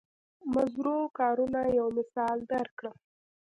مضرو کارونو یو مثال درکړم.